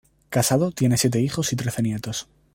Casado, tiene siete hijos y trece nietos.